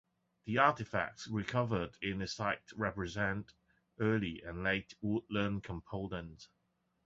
The artifacts recovered in the site represent Early and Late Woodland components.